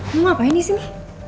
mama apaan disini